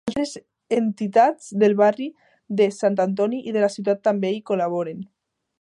Altres entitats del barri de Sant Antoni i de la ciutat també hi col·laboren.